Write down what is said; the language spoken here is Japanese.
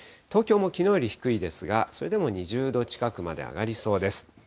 東京もきのうより低いですが、それでも２０度近くまで上がりそうです。